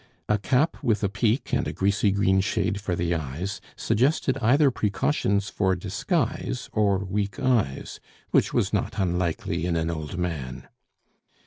A cap with a peak and a greasy green shade for the eyes suggested either precautions for disguise, or weak eyes, which was not unlikely in an old man.